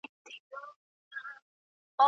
ښاري ټولنپوهنه کولای سي د ښار ژوند تحلیل کړي.